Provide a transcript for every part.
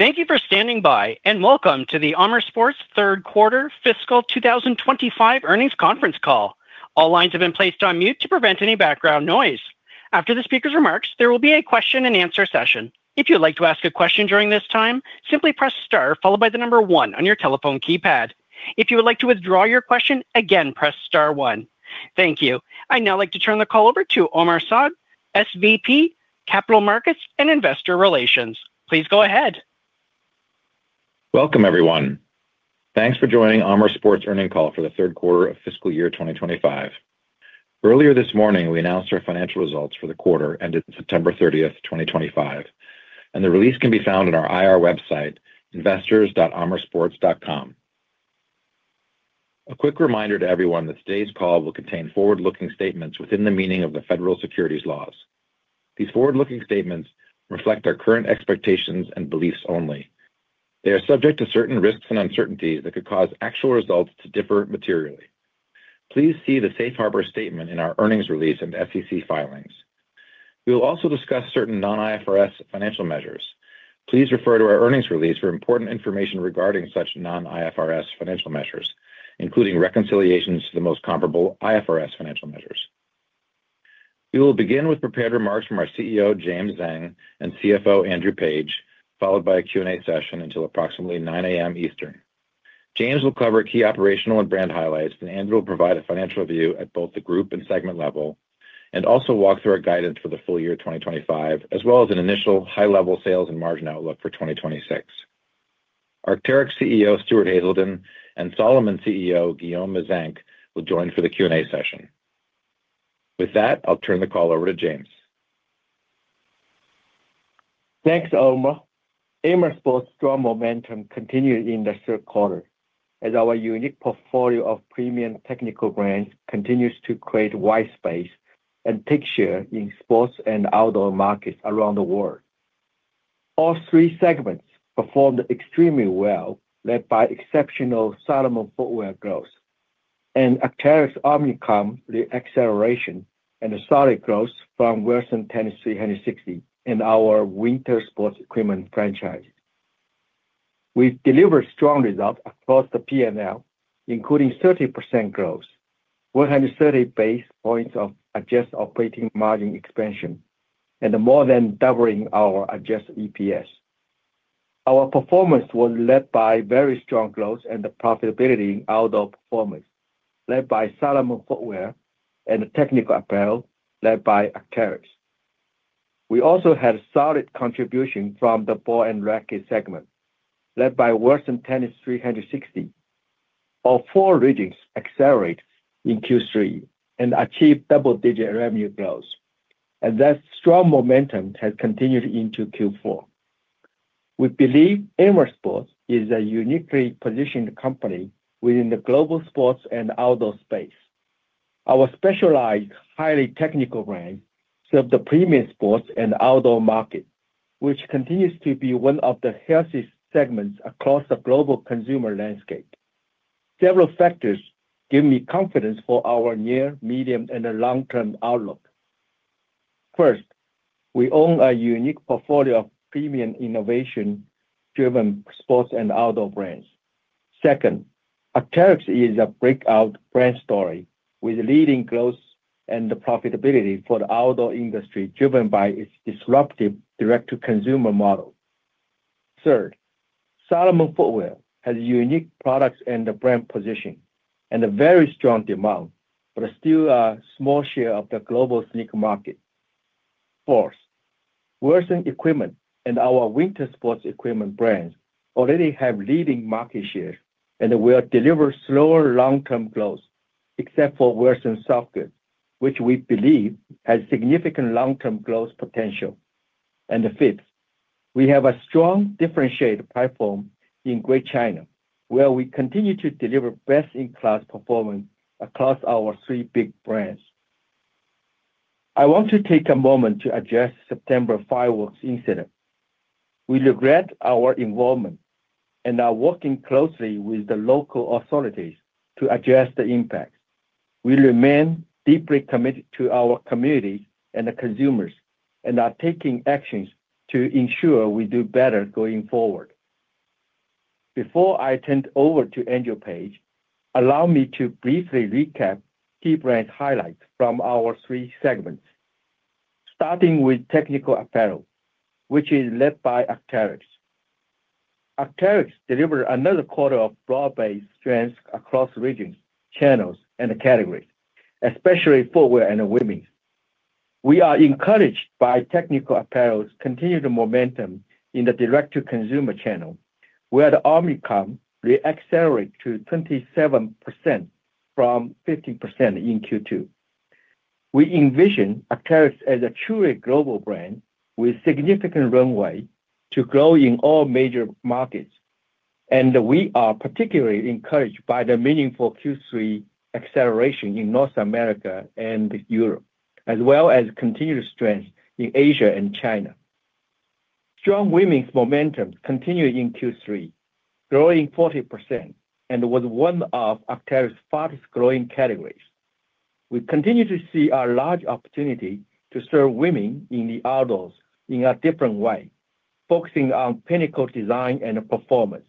Thank you for standing by, and welcome to the Amer Sports third quarter fiscal 2025 earnings conference call. All lines have been placed on mute to prevent any background noise. After the speaker's remarks, there will be a question-and-answer session. If you'd like to ask a question during this time, simply press star followed by the number one on your telephone keypad. If you would like to withdraw your question, again, press star one. Thank you. I'd now like to turn the call over to Omar Saad, SVP, Capital Markets and Investor Relations. Please go ahead. Welcome, everyone. Thanks for joining Amer Sports earnings call for the third quarter of fiscal year 2025. Earlier this morning, we announced our financial results for the quarter ended September 30th, 2025, and the release can be found on our IR website, investors.amersports.com. A quick reminder to everyone that today's call will contain forward-looking statements within the meaning of the federal securities laws. These forward-looking statements reflect our current expectations and beliefs only. They are subject to certain risks and uncertainties that could cause actual results to differ materially. Please see the Safe Harbor statement in our earnings release and SEC filings. We will also discuss certain non-IFRS financial measures. Please refer to our earnings release for important information regarding such non-IFRS financial measures, including reconciliations to the most comparable IFRS financial measures. We will begin with prepared remarks from our CEO, James Zheng, and CFO, Andrew Page, followed by a Q&A session until approximately 9:00 A.M. Eastern. James will cover key operational and brand highlights, and Andrew will provide a financial view at both the group and segment level, and also walk through our guidance for the full year 2025, as well as an initial high-level sales and margin outlook for 2026. Arc'teryx CEO, Stuart Haselden, and Salomon CEO, Guillaume Meyzenq, will join for the Q&A session. With that, I'll turn the call over to James. Thanks, Omar. Amer Sports' strong momentum continues in the third quarter, as our unique portfolio of premium technical brands continues to create wide space and take share in sports and outdoor markets around the world. All three segments performed extremely well, led by exceptional Salomon footwear growth, and Arc'teryx technical apparel's acceleration and solid growth from Wilson Tennis 360 in our winter sports equipment franchise. We delivered strong results across the P&L, including 30% growth, 130 basis points of adjusted operating margin expansion, and more than doubling our Adjusted EPS. Our performance was led by very strong growth and profitability in outdoor performance, led by Salomon footwear and technical apparel, led by Arc'teryx. We also had a solid contribution from the ball and racket segment, led by Wilson Tennis 360. All four regions accelerated in Q3 and achieved double-digit revenue growth, and that strong momentum has continued into Q4. We believe Amer Sports is a uniquely positioned company within the global sports and outdoor space. Our specialized, highly technical brands serve the premium sports and outdoor market, which continues to be one of the healthiest segments across the global consumer landscape. Several factors give me confidence for our near, medium, and long-term outlook. First, we own a unique portfolio of premium innovation-driven sports and outdoor brands. Second, Arc'teryx is a breakout brand story with leading growth and profitability for the outdoor industry, driven by its disruptive direct-to-consumer model. Third, Salomon footwear has unique products and brand position and a very strong demand, but still a small share of the global sneaker market. Fourth, Wilson equipment and our winter sports equipment brands already have leading market share, and we'll deliver slower long-term growth, except for Wilson soft goods, which we believe has significant long-term growth potential. Fifth, we have a strong differentiated platform in Greater China, where we continue to deliver best-in-class performance across our three big brands. I want to take a moment to address the September fireworks incident. We regret our involvement and are working closely with the local authorities to address the impacts. We remain deeply committed to our community and the consumers and are taking actions to ensure we do better going forward. Before I turn it over to Andrew Page, allow me to briefly recap key brand highlights from our three segments, starting with technical apparel, which is led by Arc'teryx. Arc'teryx delivers another quarter of broad-based strength across regions, channels, and categories, especially footwear and women. We are encouraged by technical apparel's continued momentum in the direct-to-consumer channel, where the omni-comp reaccelerated to 27% from 15% in Q2. We envision Arc'teryx as a truly global brand with significant runway to grow in all major markets, and we are particularly encouraged by the meaningful Q3 acceleration in North America and Europe, as well as continued strength in Asia and China. Strong women's momentum continued in Q3, growing 40%, and was one of Arc'teryx's fastest-growing categories. We continue to see a large opportunity to serve women in the outdoors in a different way, focusing on pinnacle design and performance.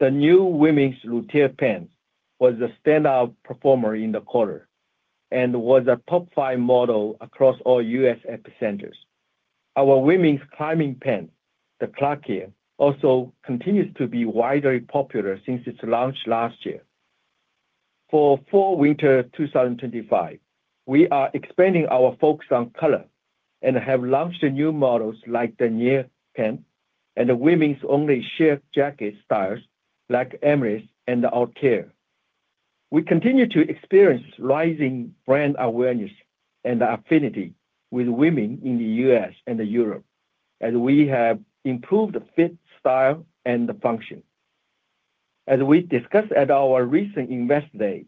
The new women's Luther pants was the standout performer in the quarter and was a top-five model across all U.S. epicenters. Our women's climbing pants, the Clarkia, also continues to be widely popular since its launch last year. For fall/winter 2025, we are expanding our focus on color and have launched new models like the Nia pants and women's only-shift jacket styles like Emaris and Arc'teryx. We continue to experience rising brand awareness and affinity with women in the U.S. and Europe, as we have improved fit, style, and function. As we discussed at our recent Invest Day,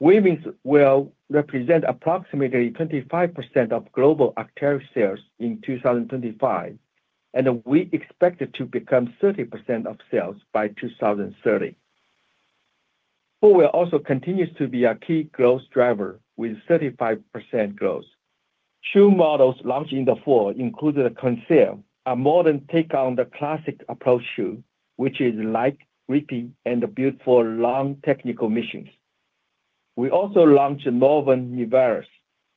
women's will represent approximately 25% of global Arc'teryx sales in 2025, and we expect it to become 30% of sales by 2030. Footwear also continues to be a key growth driver with 35% growth. Shoe models launched in the fall, including the Konseal, a modern take on the classic approach shoe, which is light, grippy, and built for long technical missions. We also launched the Norvan Nivalis,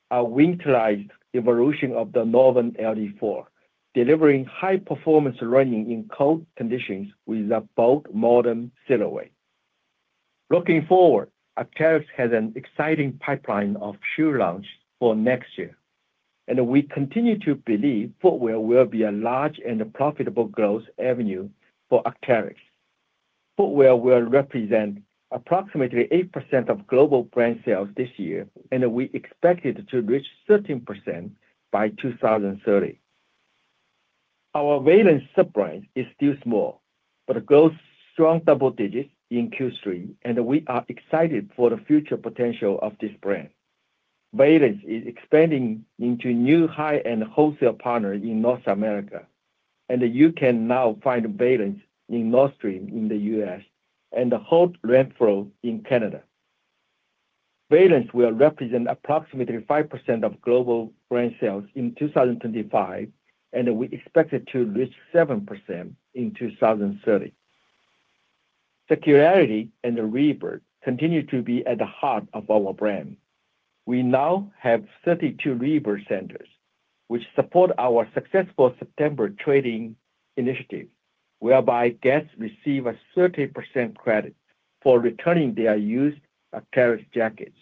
a winterized evolution of the Norvan LD 4, delivering high-performance running in cold conditions with a bold, modern silhouette. Looking forward, Arc'teryx has an exciting pipeline of shoe launches for next year, and we continue to believe footwear will be a large and profitable growth avenue for Arc'teryx. Footwear will represent approximately 8% of global brand sales this year, and we expect it to reach 13% by 2030. Our Veilance sub-brand is still small, but it grows strong double digits in Q3, and we are excited for the future potential of this brand. Veilance is expanding into new high-end wholesale partners in North America, and you can now find Veilance in Nordstrom in the U.S. and Holt Renfrew in Canada. Veilance will represent approximately 5% of global brand sales in 2025, and we expect it to reach 7% in 2030. Circularity and rebirth continue to be at the heart of our brand. We now have 32 ReBIRD centers, which support our successful September trading initiative, whereby guests receive a 30% credit for returning their used Arc'teryx jackets.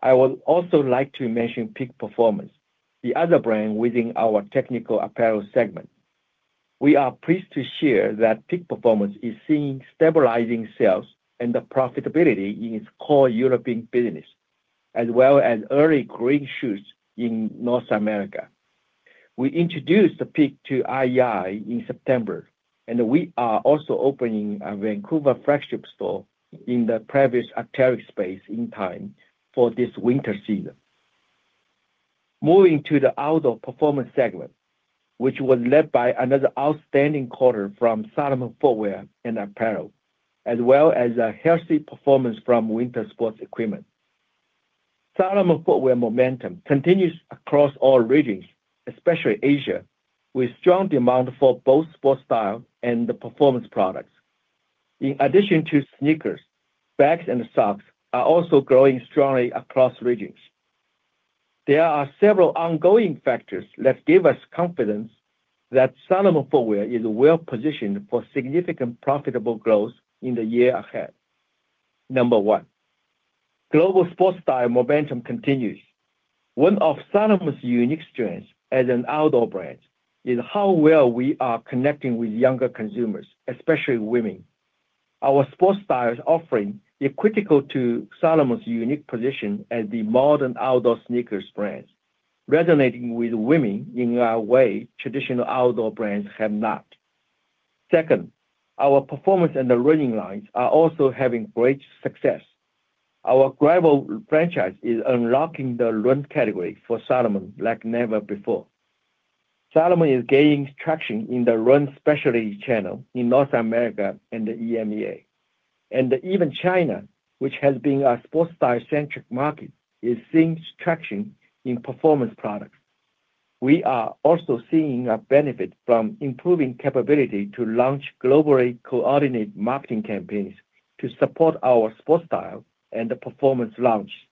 I would also like to mention Peak Performance, the other brand within our technical apparel segment. We are pleased to share that Peak Performance is seeing stabilizing sales and profitability in its core European business, as well as early-growing shoes in North America. We introduced Peak to IEI in September, and we are also opening a Vancouver flagship store in the previous Arc'teryx space in time for this winter season. Moving to the outdoor performance segment, which was led by another outstanding quarter from Salomon footwear and apparel, as well as a healthy performance from winter sports equipment. Salomon footwear momentum continues across all regions, especially Asia, with strong demand for both sports style and performance products. In addition to sneakers, bags and socks are also growing strongly across regions. There are several ongoing factors that give us confidence that Salomon footwear is well-positioned for significant profitable growth in the year ahead. Number one, global sports style momentum continues. One of Salomon's unique strengths as an outdoor brand is how well we are connecting with younger consumers, especially women. Our sports style offering is critical to Salomon's unique position as the modern outdoor sneakers brand, resonating with women in a way traditional outdoor brands have not. Second, our performance and the running lines are also having great success. Our Gravel franchise is unlocking the run category for Salomon like never before. Salomon is gaining traction in the run specialty channel in North America and the EMEA, and even China, which has been a sports-style-centric market, is seeing traction in performance products. We are also seeing a benefit from improving capability to launch globally coordinated marketing campaigns to support our sports style and performance launches.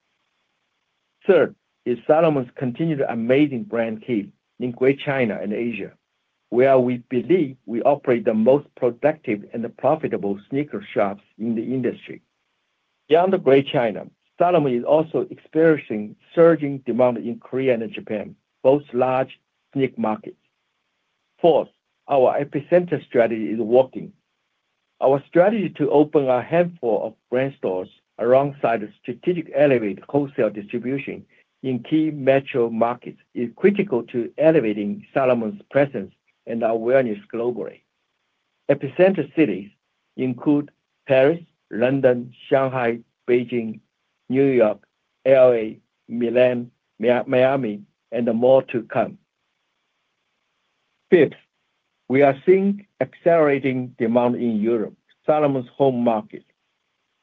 Third is Salomon's continued amazing brand keep in Greater China and Asia, where we believe we operate the most productive and profitable sneaker shops in the industry. Beyond Greater China, Salomon is also experiencing surging demand in Korea and Japan, both large sneaker markets. Fourth, our epicenter strategy is working. Our strategy to open a handful of brand stores alongside strategically elevated wholesale distribution in key metro markets is critical to elevating Salomon's presence and awareness globally. Epicenter cities include Paris, London, Shanghai, Beijing, New York, LA, Milan, Miami, and more to come. Fifth, we are seeing accelerating demand in Europe, Salomon's home market.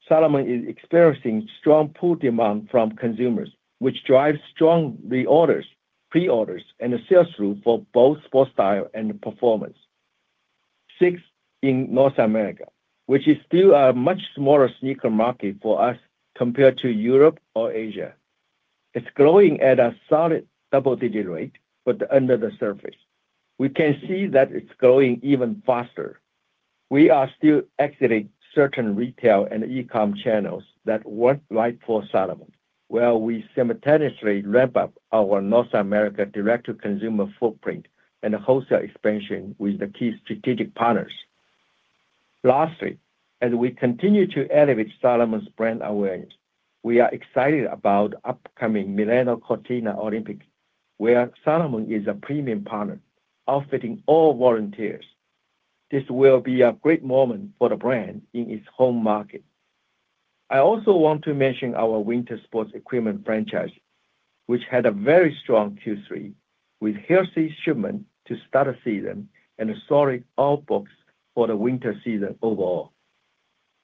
Salomon is experiencing strong pull demand from consumers, which drives strong reorders, preorders, and sales through for both sports style and performance. Sixth, in North America, which is still a much smaller sneaker market for us compared to Europe or Asia. It's growing at a solid double-digit rate, but under the surface, we can see that it's growing even faster. We are still exiting certain retail and e-com channels that weren't right for Salomon, while we simultaneously ramp up our North America direct-to-consumer footprint and wholesale expansion with the key strategic partners. Lastly, as we continue to elevate Salomon's brand awareness, we are excited about the upcoming Milano Cortina Olympics, where Salomon is a premium partner outfitting all volunteers. This will be a great moment for the brand in its home market. I also want to mention our winter sports equipment franchise, which had a very strong Q3 with healthy shipment to start the season and solid outbooks for the winter season overall.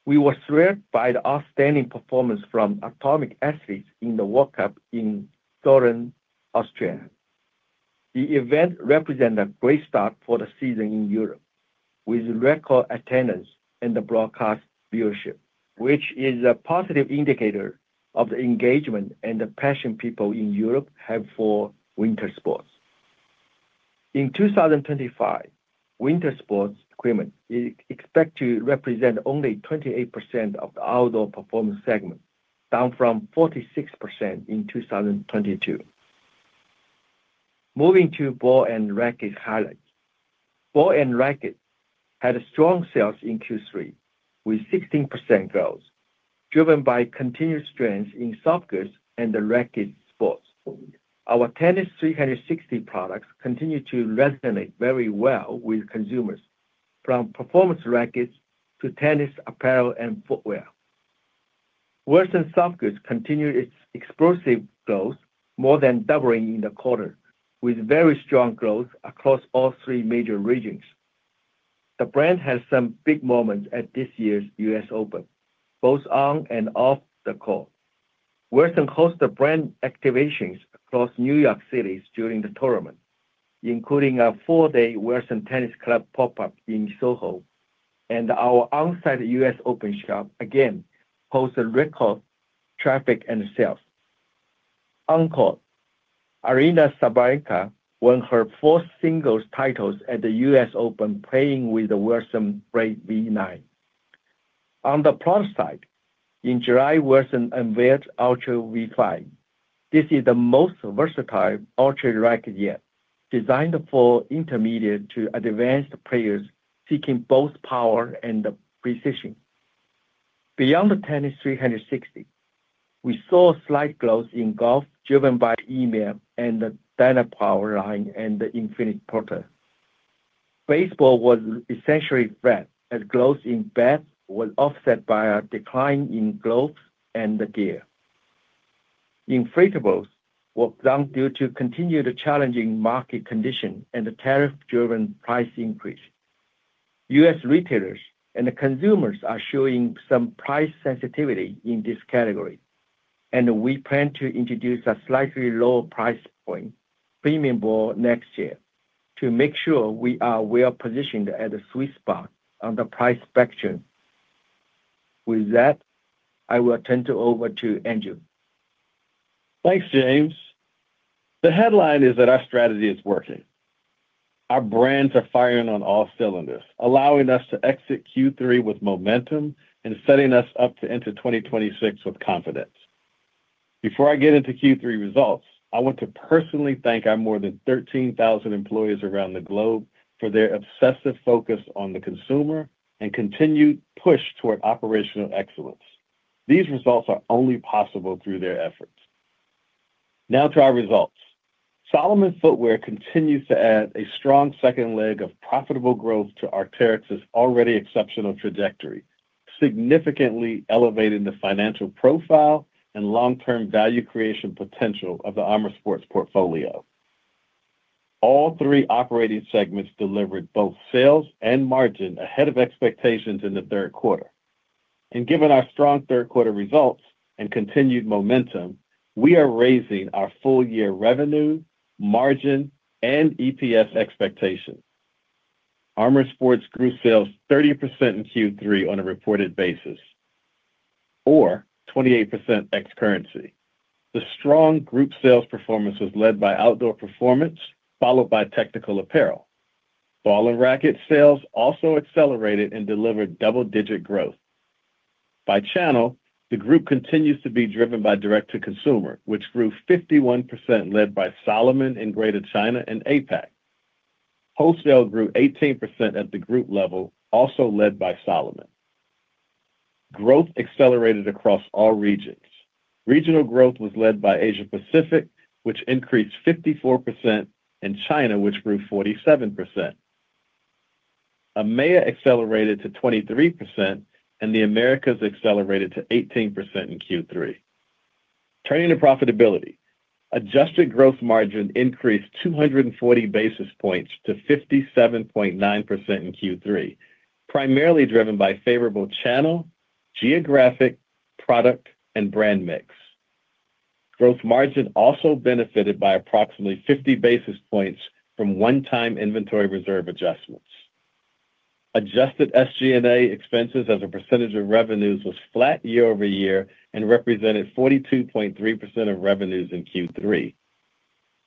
We were thrilled by the outstanding performance from athletic athletes in the World Cup in Southern Austria. The event represented a great start for the season in Europe with record attendance and broadcast viewership, which is a positive indicator of the engagement and passion people in Europe have for winter sports. In 2025, winter sports equipment is expected to represent only 28% of the outdoor performance segment, down from 46% in 2022. Moving to ball and racket highlights, ball and racket had strong sales in Q3 with 16% growth, driven by continued strength in soft goods and racket sports. Our Tennis 360 products continue to resonate very well with consumers, from performance rackets to tennis apparel and footwear. Wilson soft goods continued its explosive growth, more than doubling in the quarter, with very strong growth across all three major regions. The brand had some big moments at this year's U.S. Open, both on and off the court. Wilson hosted brand activations across New York City during the tournament, including a four-day Wilson Tennis Club pop-up in Soho, and our onsite U.S. Open shop again posted record traffic and sales. On court, Aryna Sabalenka won her four singles titles at the U.S. Open, playing with the Wilson Blade V9. On the product side, in July, Wilson unveiled Ultra V5. This is the most versatile Ultra racket yet, designed for intermediate to advanced players seeking both power and precision. Beyond the Tennis 360, we saw a slight growth in golf, driven by EMEA and the Dynapower line and the Infinite Putter. Baseball was essentially flat, as growth in bats was offset by a decline in gloves and gear. Inflatables were down due to continued challenging market conditions and the tariff-driven price increase. U.S. Retailers and consumers are showing some price sensitivity in this category, and we plan to introduce a slightly lower price point, premium ball next year, to make sure we are well-positioned at the sweet spot on the price spectrum. With that, I will turn it over to Andrew. Thanks, James. The headline is that our strategy is working. Our brands are firing on all cylinders, allowing us to exit Q3 with momentum and setting us up to enter 2026 with confidence. Before I get into Q3 results, I want to personally thank our more than 13,000 employees around the globe for their obsessive focus on the consumer and continued push toward operational excellence. These results are only possible through their efforts. Now to our results. Salomon footwear continues to add a strong second leg of profitable growth to Arc'teryx's already exceptional trajectory, significantly elevating the financial profile and long-term value creation potential of the Amer Sports portfolio. All three operating segments delivered both sales and margin ahead of expectations in the third quarter. Given our strong third-quarter results and continued momentum, we are raising our full-year revenue, margin, and EPS expectations. Amer Sports grew sales 30% in Q3 on a reported basis, or 28% ex-currency. The strong group sales performance was led by outdoor performance, followed by technical apparel. Ball and racket sales also accelerated and delivered double-digit growth. By channel, the group continues to be driven by direct-to-consumer, which grew 51%, led by Salomon in Greater China and Asia-Pacific. Wholesale grew 18% at the group level, also led by Salomon. Growth accelerated across all regions. Regional growth was led by Asia-Pacific, which increased 54%, and China, which grew 47%. EMEA accelerated to 23%, and the Americas accelerated to 18% in Q3. Turning to profitability, adjusted gross margin increased 240 basis points to 57.9% in Q3, primarily driven by favorable channel, geographic, product, and brand mix. Gross margin also benefited by approximately 50 basis points from one-time inventory reserve adjustments. Adjusted SG&A expenses as a percentage of revenues was flat year-over-year and represented 42.3% of revenues in Q3.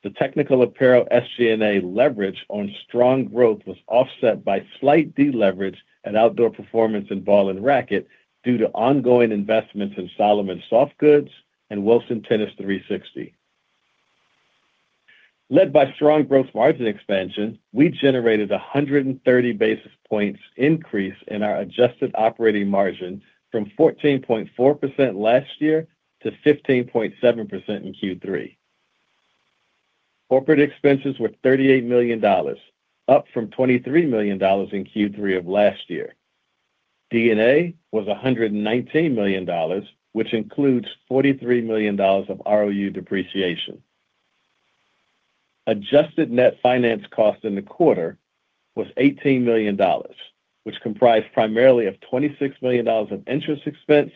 The technical apparel SG&A leverage on strong growth was offset by slight deleverage at outdoor performance and ball and racket due to ongoing investments in Salomon Soft Goods and Wilson Tennis 360. Led by strong gross margin expansion, we generated a 130 basis points increase in our adjusted operating margin from 14.4% last year to 15.7% in Q3. Corporate expenses were $38 million, up from $23 million in Q3 of last year. D&A was $119 million, which includes $43 million of ROU depreciation. Adjusted net finance cost in the quarter was $18 million, which comprised primarily of $26 million of interest expense,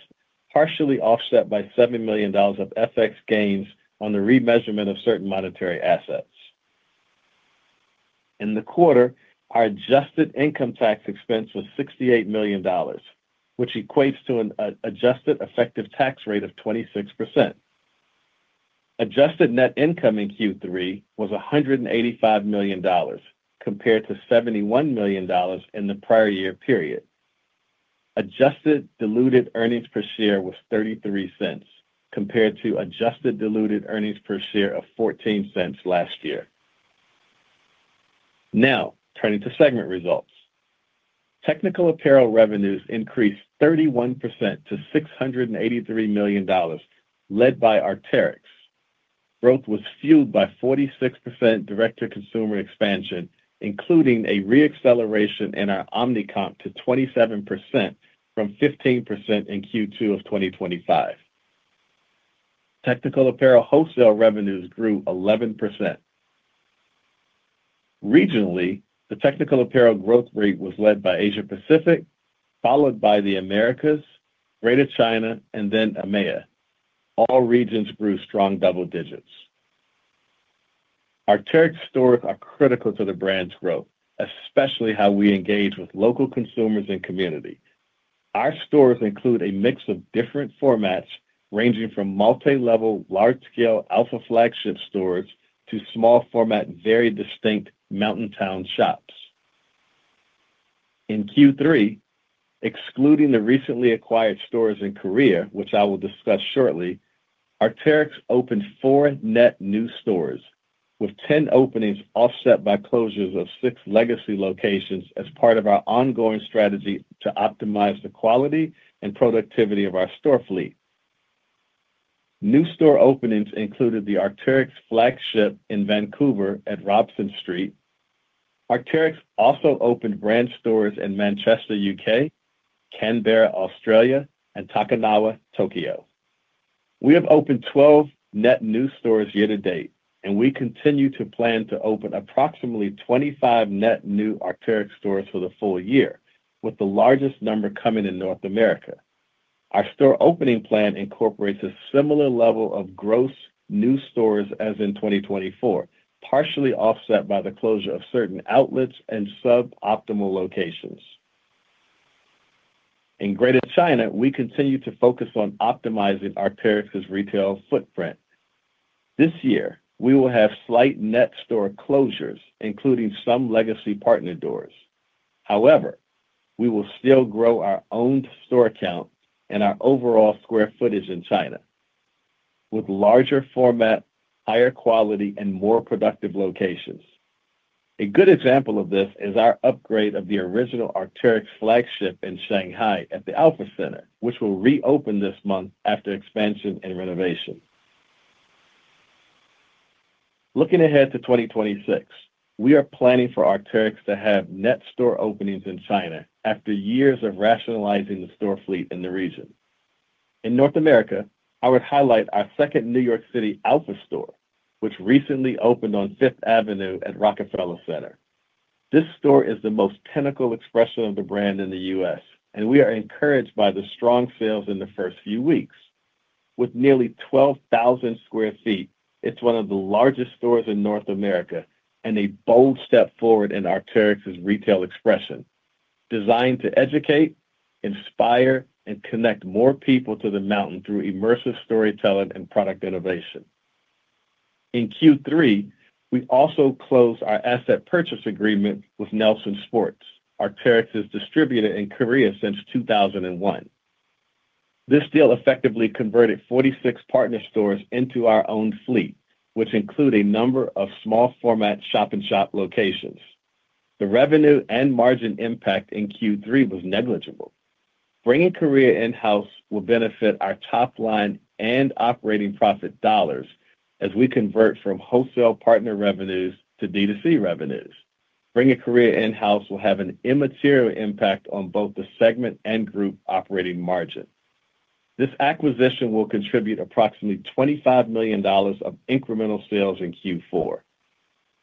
partially offset by $7 million of FX gains on the remeasurement of certain monetary assets. In the quarter, our adjusted income tax expense was $68 million, which equates to an adjusted effective tax rate of 26%. Adjusted net income in Q3 was $185 million, compared to $71 million in the prior year period. Adjusted diluted earnings per share was $0.33, compared to Adjusted diluted earnings per share of $0.14 last year. Now, turning to segment results. Technical apparel revenues increased 31% to $683 million, led by Arc'teryx. Growth was fueled by 46% direct-to-consumer expansion, including a re-acceleration in our omni-comp to 27% from 15% in Q2 of 2025. Technical apparel wholesale revenues grew 11%. Regionally, the technical apparel growth rate was led by Asia-Pacific, followed by the Americas, Greater China, and then EMEA. All regions grew strong double digits. Arc'teryx stores are critical to the brand's growth, especially how we engage with local consumers and community. Our stores include a mix of different formats, ranging from multi-level, large-scale alpha flagship stores to small-format, very distinct mountain town shops. In Q3, excluding the recently acquired stores in Korea, which I will discuss shortly, Arc'teryx opened four net new stores, with 10 openings offset by closures of six legacy locations as part of our ongoing strategy to optimize the quality and productivity of our store fleet. New store openings included the Arc'teryx flagship in Vancouver at Robson Street. Arc'teryx also opened brand stores in Manchester, U.K., Canberra, Australia, and Takanawa, Tokyo. We have opened 12 net new stores year to date, and we continue to plan to open approximately 25 net new Arc'teryx stores for the full year, with the largest number coming in North America. Our store opening plan incorporates a similar level of gross new stores as in 2024, partially offset by the closure of certain outlets and suboptimal locations. In Greater China, we continue to focus on optimizing Arc'teryx's retail footprint. This year, we will have slight net store closures, including some legacy partner doors. However, we will still grow our owned store count and our overall square footage in China, with larger format, higher quality, and more productive locations. A good example of this is our upgrade of the original Arc'teryx flagship in Shanghai at the Alpha Center, which will reopen this month after expansion and renovation. Looking ahead to 2026, we are planning for Arc'teryx to have net store openings in China after years of rationalizing the store fleet in the region. In North America, I would highlight our second New York City Alpha store, which recently opened on Fifth Avenue at Rockefeller Center. This store is the most pinnacle expression of the brand in the U.S., and we are encouraged by the strong sales in the first few weeks. With nearly 12,000 sq ft, it's one of the largest stores in North America and a bold step forward in Arc'teryx's retail expression, designed to educate, inspire, and connect more people to the mountain through immersive storytelling and product innovation. In Q3, we also closed our asset purchase agreement with Nelson Sports, Arc'teryx's distributor in Korea since 2001. This deal effectively converted 46 partner stores into our own fleet, which includes a number of small-format shop-in-shop locations. The revenue and margin impact in Q3 was negligible. Bringing Korea in-house will benefit our top line and operating profit dollars as we convert from wholesale partner revenues to D2C revenues. Bringing Korea in-house will have an immaterial impact on both the segment and group operating margin. This acquisition will contribute approximately $25 million of incremental sales in Q4.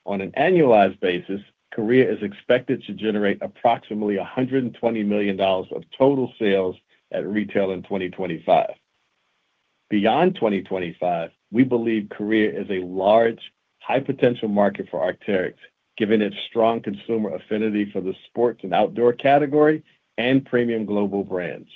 On an annualized basis, Korea is expected to generate approximately $120 million of total sales at retail in 2025. Beyond 2025, we believe Korea is a large, high-potential market for Arc'teryx, given its strong consumer affinity for the sports and outdoor category and premium global brands.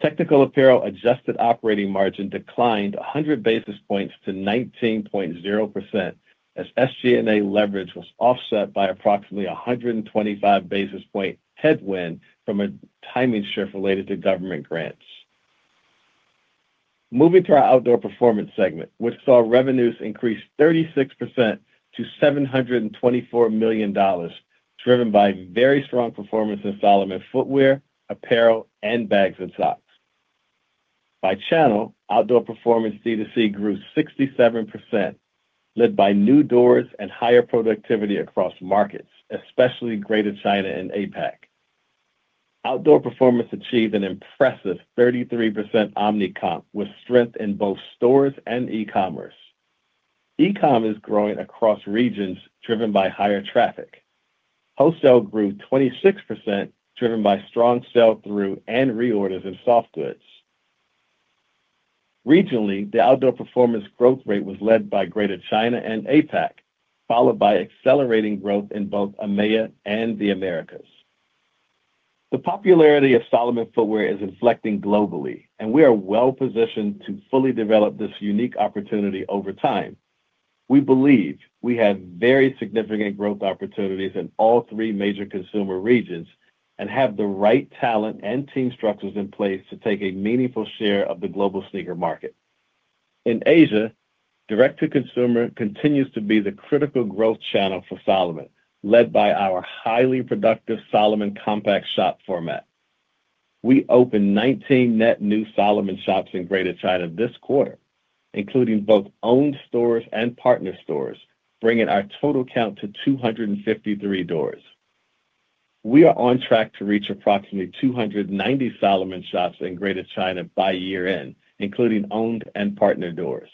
Technical apparel adjusted operating margin declined 100 basis points to 19.0% as SG&A leverage was offset by approximately 125 basis point headwind from a timing shift related to government grants. Moving to our outdoor performance segment, which saw revenues increase 36% to $724 million, driven by very strong performance in Salomon footwear, apparel, and bags and socks. By channel, outdoor performance D2C grew 67%, led by new doors and higher productivity across markets, especially Greater China and Asia-Pacific. Outdoor performance achieved an impressive 33% omni-comp with strength in both stores and e-commerce. E-com is growing across regions, driven by higher traffic. Wholesale grew 26%, driven by strong sell-through and reorders in Soft Goods. Regionally, the outdoor performance growth rate was led by Greater China and Asia-Pacific, followed by accelerating growth in both EMEA and the Americas. The popularity of Salomon footwear is inflecting globally, and we are well-positioned to fully develop this unique opportunity over time. We believe we have very significant growth opportunities in all three major consumer regions and have the right talent and team structures in place to take a meaningful share of the global sneaker market. In Asia, direct-to-consumer continues to be the critical growth channel for Salomon, led by our highly productive Salomon compact shop format. We opened 19 net new Salomon shops in Greater China this quarter, including both owned stores and partner stores, bringing our total count to 253 doors. We are on track to reach approximately 290 Salomon shops in Greater China by year-end, including owned and partner doors.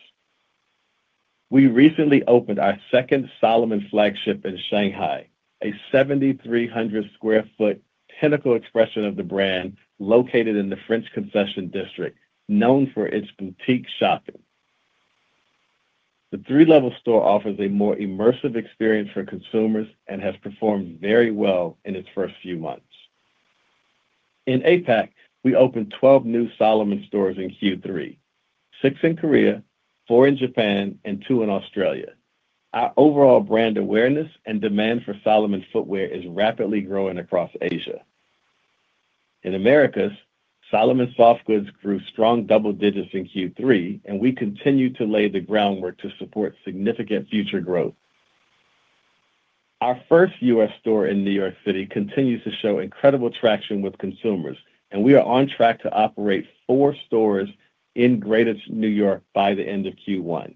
We recently opened our second Salomon flagship in Shanghai, a 7,300 sq ft pinnacle expression of the brand located in the French Concession District, known for its boutique shopping. The three-level store offers a more immersive experience for consumers and has performed very well in its first few months. In Asia-Pacific, we opened 12 new Salomon stores in Q3, 6 in Korea, 4 in Japan, and 2 in Australia. Our overall brand awareness and demand for Salomon footwear is rapidly growing across Asia. In Americas, Salomon soft goods grew strong double digits in Q3, and we continue to lay the groundwork to support significant future growth. Our first U.S. store in New York City continues to show incredible traction with consumers, and we are on track to operate four stores in Greater New York by the end of Q1,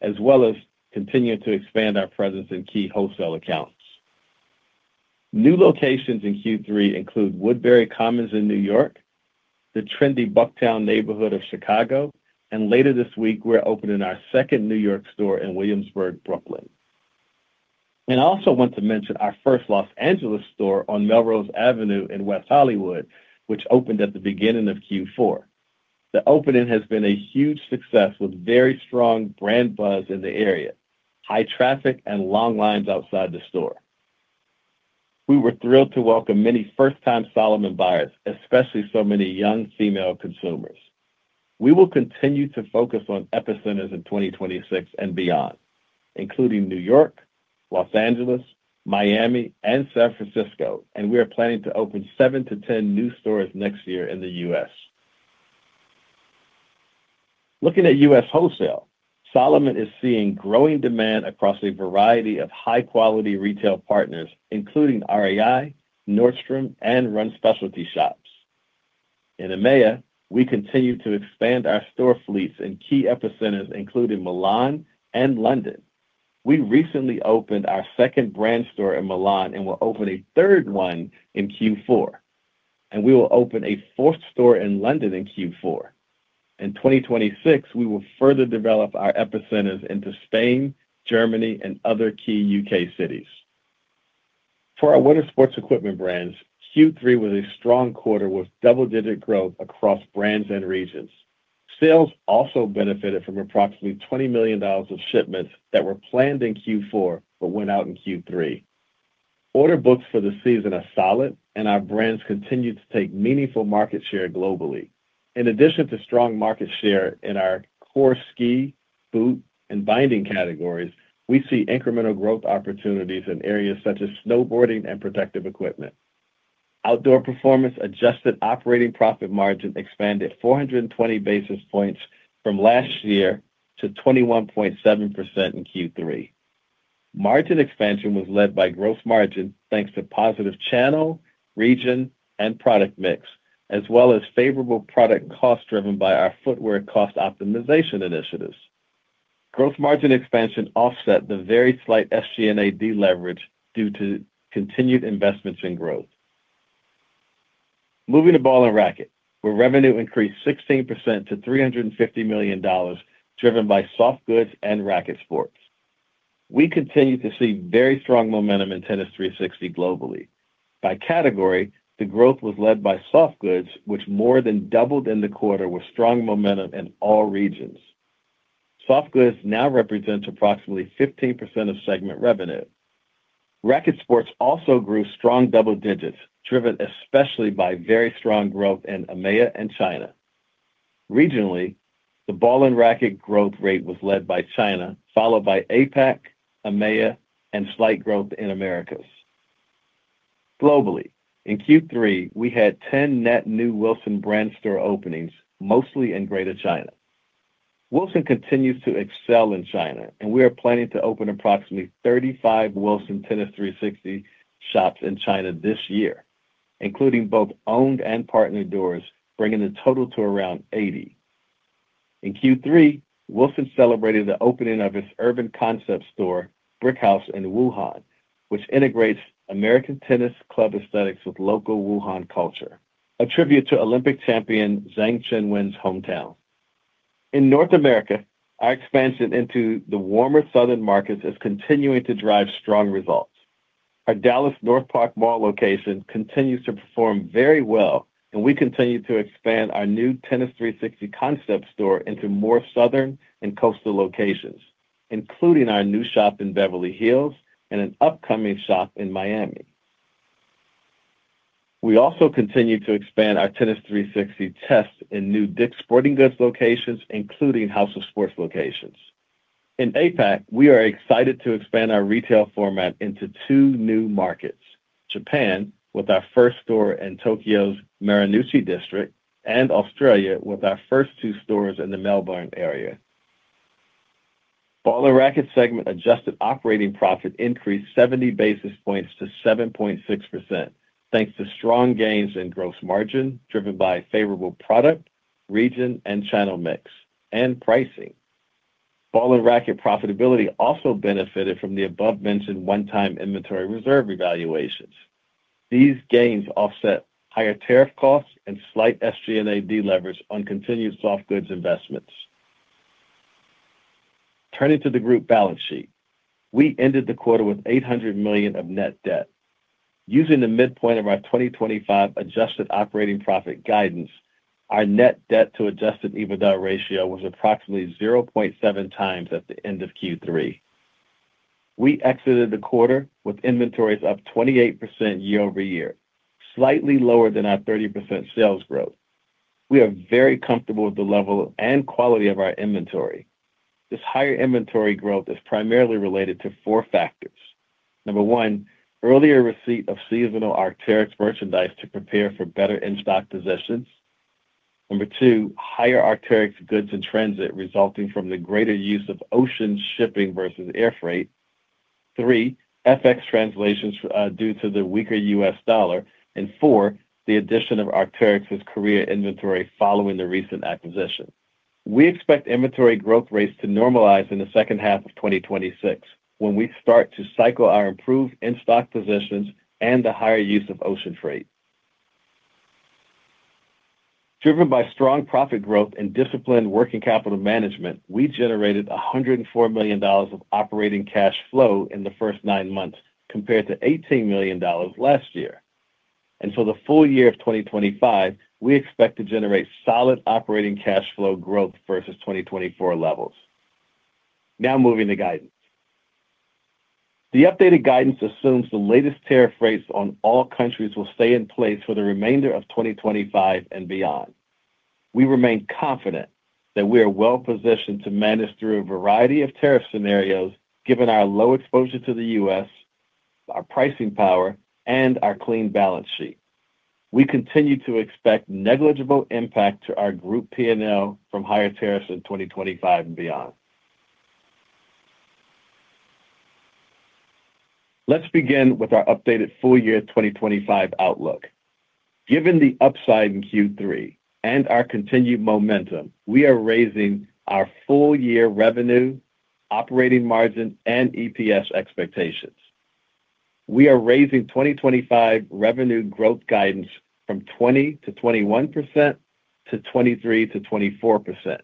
as well as continue to expand our presence in key wholesale accounts. New locations in Q3 include Woodbury Commons in New York, the trendy Bucktown neighborhood of Chicago, and later this week, we're opening our second New York store in Williamsburg, Brooklyn. I also want to mention our first Los Angeles store on Melrose Avenue in West Hollywood, which opened at the beginning of Q4. The opening has been a huge success with very strong brand buzz in the area, high traffic, and long lines outside the store. We were thrilled to welcome many first-time Salomon buyers, especially so many young female consumers. We will continue to focus on epicenters in 2026 and beyond, including New York, Los Angeles, Miami, and San Francisco, and we are planning to open 7-10 new stores next year in the U.S. Looking at U.S. wholesale, Salomon is seeing growing demand across a variety of high-quality retail partners, including REI, Nordstrom, and Run Specialty Shops. In EMEA, we continue to expand our store fleets in key epicenters, including Milan and London. We recently opened our second brand store in Milan and will open a third one in Q4, and we will open a fourth store in London in Q4. In 2026, we will further develop our epicenters into Spain, Germany, and other key UK cities. For our winter sports equipment brands, Q3 was a strong quarter with double-digit growth across brands and regions. Sales also benefited from approximately $20 million of shipments that were planned in Q4 but went out in Q3. Order books for the season are solid, and our brands continue to take meaningful market share globally. In addition to strong market share in our core ski, boot, and binding categories, we see incremental growth opportunities in areas such as snowboarding and protective equipment. Outdoor performance adjusted operating profit margin expanded 420 basis points from last year to 21.7% in Q3. Margin expansion was led by gross margin thanks to positive channel, region, and product mix, as well as favorable product costs driven by our footwear cost optimization initiatives. Gross margin expansion offset the very slight SG&A deleverage due to continued investments in growth. Moving to ball and racket, where revenue increased 16% to $350 million, driven by soft goods and racket sports. We continue to see very strong momentum in Tennis 360 globally. By category, the growth was led by Soft Goods, which more than doubled in the quarter with strong momentum in all regions. Soft Goods now represent approximately 15% of segment revenue. Racket sports also grew strong double digits, driven especially by very strong growth in EMEA and China. Regionally, the ball and racket growth rate was led by China, followed by Asia-Pacific, EMEA, and slight growth in Americas. Globally, in Q3, we had 10 net new Wilson brand store openings, mostly in Greater China. Wilson continues to excel in China, and we are planning to open approximately 35 Wilson Tennis 360 shops in China this year, including both owned and partner doors, bringing the total to around 80. In Q3, Wilson celebrated the opening of its urban concept store, Brickhouse, in Wuhan, which integrates American tennis club aesthetics with local Wuhan culture, a tribute to Olympic champion Zheng Qinwen's hometown. In North America, our expansion into the warmer southern markets is continuing to drive strong results. Our Dallas North Park mall location continues to perform very well, and we continue to expand our new Tennis 360 concept store into more southern and coastal locations, including our new shop in Beverly Hills and an upcoming shop in Miami. We also continue to expand our Tennis 360 test in new DICK's Sporting Goods locations, including House of Sports locations. In Asia-Pacific, we are excited to expand our retail format into two new markets: Japan, with our first store in Tokyo's Marunouchi District, and Australia, with our first two stores in the Melbourne area. Ball and racket segment adjusted operating profit increased 70 basis points to 7.6%, thanks to strong gains in gross margin driven by favorable product, region, and channel mix, and pricing. Ball and racket profitability also benefited from the above-mentioned one-time inventory reserve evaluations. These gains offset higher tariff costs and slight SG&A deleverage on continued soft goods investments. Turning to the group balance sheet, we ended the quarter with $800 million of net debt. Using the midpoint of our 2025 adjusted operating profit guidance, our net debt-to-Adjusted EBITDA ratio was approximately 0.7 times at the end of Q3. We exited the quarter with inventories up 28% year-over-year, slightly lower than our 30% sales growth. We are very comfortable with the level and quality of our inventory. This higher inventory growth is primarily related to four factors. Number one, earlier receipt of seasonal Arc'teryx merchandise to prepare for better in-stock positions. Number two, higher Arc'teryx goods in transit resulting from the greater use of ocean shipping versus air freight. Three, FX translations due to the weaker U.S. dollar. And four, the addition of Arc'teryx's Korea inventory following the recent acquisition. We expect inventory growth rates to normalize in the second half of 2026 when we start to cycle our improved in-stock positions and the higher use of ocean freight. Driven by strong profit growth and disciplined working capital management, we generated $104 million of operating cash flow in the first nine months compared to $18 million last year. For the full year of 2025, we expect to generate solid operating cash flow growth versus 2024 levels. Now moving to guidance. The updated guidance assumes the latest tariff rates on all countries will stay in place for the remainder of 2025 and beyond. We remain confident that we are well-positioned to manage through a variety of tariff scenarios, given our low exposure to the U.S., our pricing power, and our clean balance sheet. We continue to expect negligible impact to our group P&L from higher tariffs in 2025 and beyond. Let's begin with our updated full year 2025 outlook. Given the upside in Q3 and our continued momentum, we are raising our full year revenue, operating margin, and EPS expectations. We are raising 2025 revenue growth guidance from 20-21% to 23-24%,